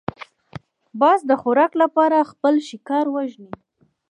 باز د خوراک لپاره خپل ښکار وژني